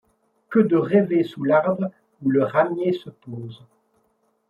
Que de rêver sous l'arbre où le ramier se pose ;